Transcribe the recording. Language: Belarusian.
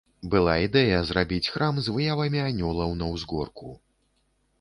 Была ідэя зрабіць храм з выявамі анёлаў, на ўзгорку.